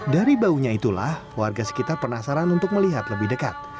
dari baunya itulah warga sekitar penasaran untuk melihat lebih dekat